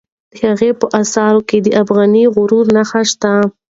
د هغه په آثارو کې د افغاني غرور نښې شته.